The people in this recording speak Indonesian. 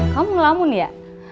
kamu ngelamun ya